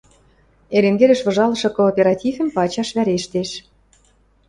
Эренгереш выжалышы кооперативӹм пачаш вӓрештеш.